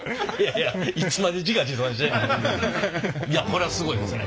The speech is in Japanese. いやいやこれはすごいですね。